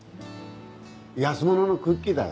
安物のクッキーだよ。